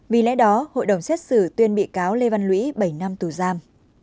vì lẽ đó hội đồng xét xử tuyên bị cáo lê văn lũy bảy năm tù giam